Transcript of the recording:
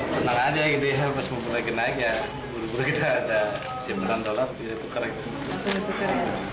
senang aja ini ya pas memulai kenaik ya buru buru kita ada rp sembilan kita tukar aja